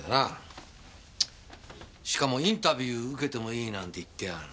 しかもインタビュー受けてもいいなんて言ってやがる。